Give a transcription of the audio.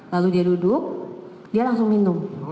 lalu dia duduk dia langsung minum